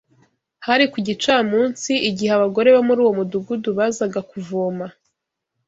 Hari ku gicamunsi igihe abagore bo muri uwo mudugudu bazaga kuvoma